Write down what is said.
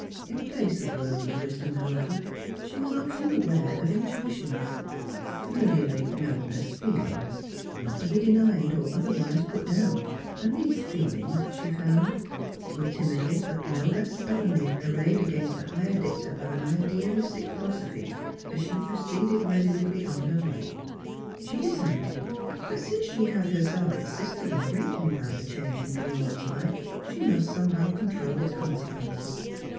In place of worldly wisdom, however, she was often aware of intuitions — familiarly known as " feelings," not to be denied or otherwise put down; and these *' feelings " (she found) were timidly, but no less stubbornly arrayed against the higher dicta of an idealistic philosophy, as she proceeded reso lutely on her way. She decided that since she had herself assisted in bringing about the change in Milly Orne's life, she must, somehow, control its consequences.